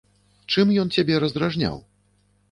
Чым ён цябе раздражняў?